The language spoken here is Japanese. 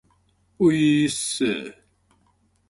おいーっす